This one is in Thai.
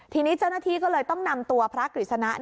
ทีนี้เจ้าหน้าที่ก็เลยต้องนำตัวพระกฤษณะ